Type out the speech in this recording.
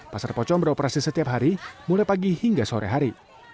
pasar pocong beroperasi setiap hari mulai pagi hingga sore hari